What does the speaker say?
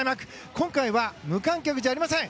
今回は無観客じゃありません！